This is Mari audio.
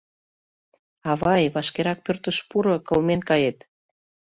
— Авай, вашкерак пӧртыш пуро, кылмен кает!